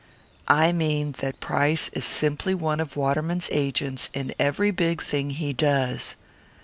"I mean that Price is simply one of Waterman's agents in every big thing he does."